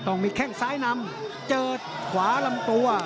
ต้องมีแข้งซ้ายนำเจอขวาลำตัว